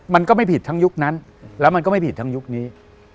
มันก็ไม่ผิดทั้งยุคนั้นแล้วมันก็ไม่ผิดทั้งยุคนี้